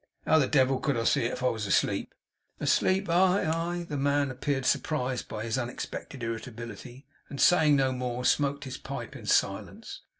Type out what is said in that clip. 'How the devil could I see it, if I was asleep?' 'Asleep! Aye, aye.' The man appeared surprised by his unexpected irritability, and saying no more, smoked his pipe in silence.